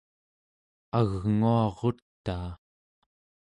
agnguarutaa